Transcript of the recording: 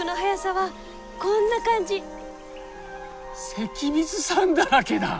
関水さんだらけだ！